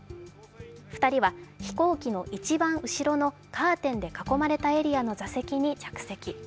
２人は飛行機の一番後ろのカーテンで囲まれたエリアの座席に着席。